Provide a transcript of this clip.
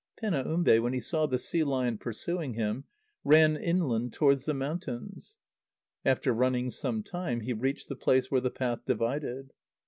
Penaumbe, when he saw the sea lion pursuing him, ran inland towards the mountains. After running some time, he reached the place where the path divided.